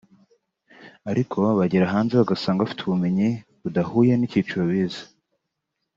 ariko bagera hanze bagasanga bafite ubumenyi budahuye n’icyiciro bize